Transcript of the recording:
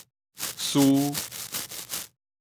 軀